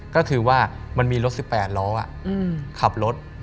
ก็คือว่ามันมีรถ๑๘ล้อขับรถ